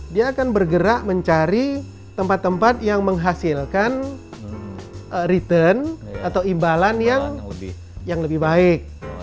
dia akan bergerak mencari tempat tempat yang menghasilkan return atau imbalan yang lebih baik